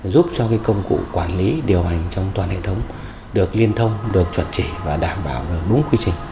giúp cho công cụ quản lý điều hành trong toàn hệ thống được liên thông được chuẩn chỉ và đảm bảo được đúng quy trình